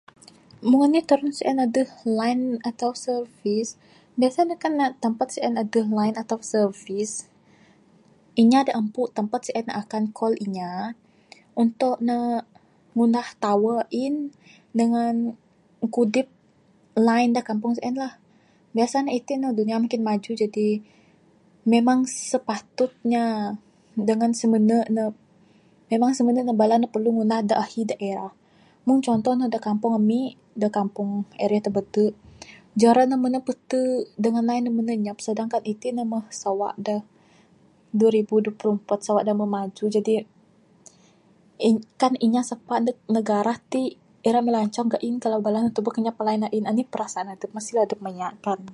Mung anih tarun sien, aduh line atau servis. Biasa ne kan tampat en aduh line atau servis. Inya da ampu' tampat sien akan call inya untuk ne ngundah tower ain dengan ngekudit line da kampung sien lah. Biasa ne itik dunia makin maju. Jadi memang sepatutnya dengan semenuk ne, memang semenuk ne, bala ne perlu ngundah da ahi daerah. Mung contoh ne da kampong ami', da kampung area Tebedu, jaran ne menu petu', dengan line ne menu anyap. Sedangkan iti' ne moh sawa da dua ribu dua puluh empat, sawa da moh maju. Jadi, kan inya sapa' ndug negara tik, irak melancong ga'in, kan bala ne tebuk anyap line a'in, anih perasaan adup. Mesti adup maya' kan.